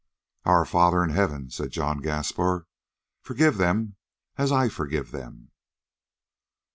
"Our Father in Heaven," said John Gaspar, "forgive them as I forgive them!"